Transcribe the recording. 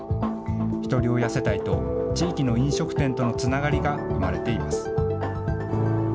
ひとり親世帯と地域の飲食店とのつながりが生まれています。